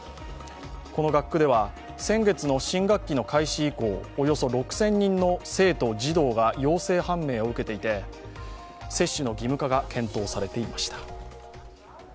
この学区では先月の新学期の開始以降、およそ６０００人の生徒・児童が陽性判明を受けていて接種の義務化が検討されていました。